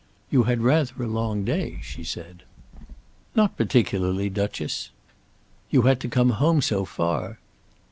"You had rather a long day," she said. "Not particularly, Duchess." "You had to come home so far!"